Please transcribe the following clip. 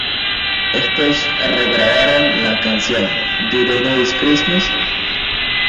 Estos regrabaron la canción "Do They Know It's Christmas?